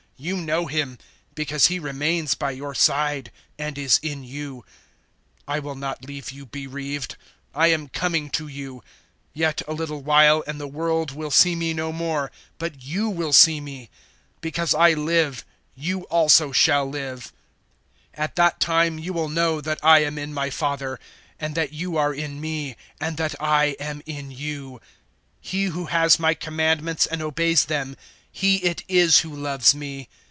You know Him, because He remains by your side and is in you. 014:018 I will not leave you bereaved: I am coming to you. 014:019 Yet a little while and the world will see me no more, but you will see me: because I live, you also shall live. 014:020 At that time you will know that I am in my Father, and that you are in me, and that I am in you. 014:021 He who has my commandments and obeys them he it is who loves me.